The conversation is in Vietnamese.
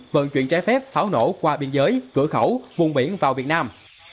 vận chuyển trái phép pháo nổ qua biên giới cửa khẩu vùng biển vào việt nam